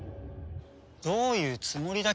どういうつもりだ？